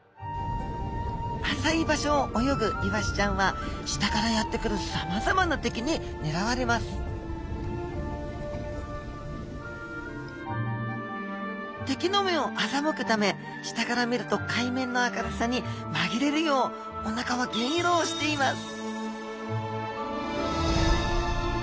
浅い場所を泳ぐイワシちゃんは下からやって来るさまざまな敵にねらわれます敵の目をあざむくため下から見ると海面の明るさにまぎれるようおなかは銀色をしています